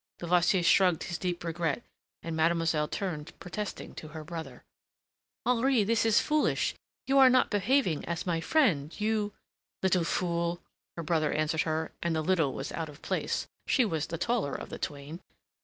Levasseur shrugged his deep regret, and mademoiselle turned protesting to her brother. "Henri, this is foolish! You are not behaving as my friend. You...." "Little fool," her brother answered her and the "little" was out of place; she was the taller of the twain.